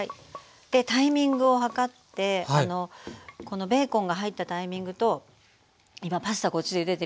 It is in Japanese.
でタイミングを計ってこのベーコンが入ったタイミングと今パスタこっちでゆでてるんです。